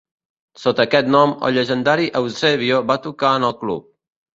Sota aquest nom, el llegendari Eusébio va tocar en el club.